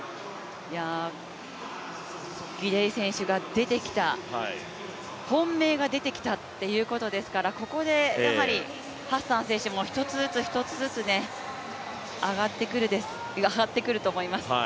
ギデイ選手が出てきた、本命が出てきたということですから、ここでハッサン選手も一つずつ一つずつ上がってくると思います。